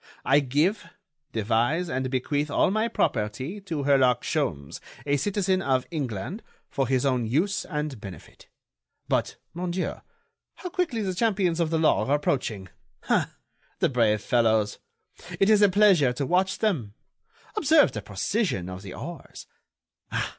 I give, devise and bequeath all my property to Herlock Sholmes, a citizen of England, for his own use and benefit. But, mon Dieu, how quickly the champions of the law are approaching! Ah! the brave fellows! It is a pleasure to watch them. Observe the precision of the oars!